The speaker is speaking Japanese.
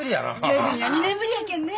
恵は２年ぶりやけんね。